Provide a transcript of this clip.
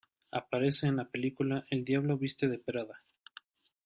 Aparece en la película "El diablo viste de Prada".